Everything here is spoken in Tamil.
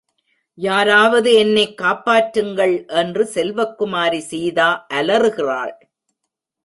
யாராவது என்னேக் காப்பாற்றுங்கள்! என்று செல்வக்குமாரி சீதா அலறுகிறாள்.